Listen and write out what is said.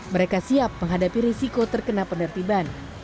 mereka siap menghadapi risiko terkena penertiban